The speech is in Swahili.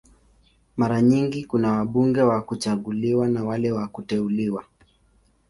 Mara nyingi kuna wabunge wa kuchaguliwa na wale wa kuteuliwa.